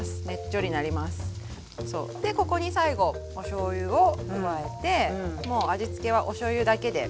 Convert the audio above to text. でここに最後おしょうゆを加えてもう味付けはおしょうゆだけで。